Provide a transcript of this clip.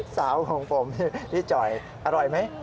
สาวของผมพี่จ่อยอร่อยไหม